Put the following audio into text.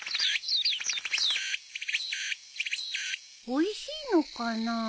おいしいのかなあ？